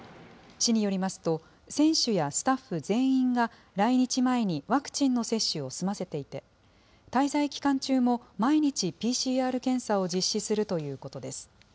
市によりますと、選手やスタッフ全員が来日前にワクチンの接種を済ませていて、滞在期間中も毎日ＰＣＲ検査を実施するということです。